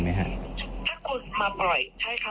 คุณแม่จะเที่ยวได้ไง